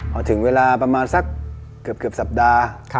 พอถึงเวลาประมาณสักเกือบสัปดาห์